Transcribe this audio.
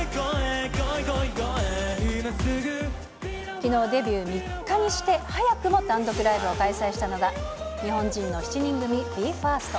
きのう、デビュー３日にして、早くも単独ライブを開催したのが、日本人の７人組、ＢＥＦＩＲＳＴ。